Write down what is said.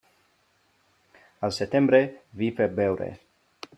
Al setembre, vi per beure.